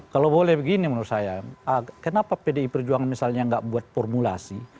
kalau boleh begini menurut saya kenapa pdi perjuangan misalnya nggak buat formulasi